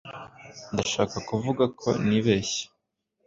Ndashaka kuvuga ko nibeshye.